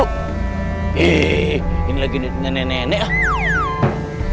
hei ini lagi netnya nenek